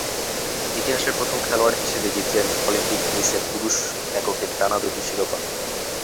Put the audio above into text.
ইতিহাসের প্রথম খেলোয়াড় হিসেবে জিতলেন অলিম্পিক টেনিসের পুরুষ এককের টানা দুটি শিরোপা।